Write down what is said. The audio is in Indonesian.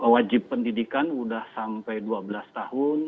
wajib pendidikan sudah sampai dua belas tahun